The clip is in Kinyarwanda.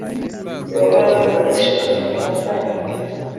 yehova aravuga ati reka dukundane